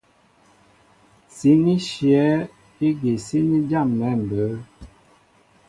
Sǐn í shyɛ̌ ígi síní jâm̀ɛ̌ mbə̌.